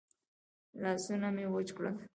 لاسونه مې وچ کړل.